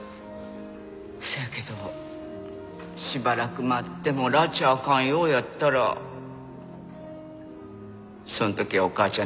せやけどしばらく待ってもらち明かんようやったらそん時はお母ちゃん